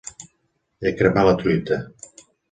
He cremat la truita.